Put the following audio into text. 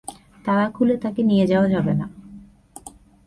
তালা খুলে তাকে নিয়ে যাওয়া যাবে না।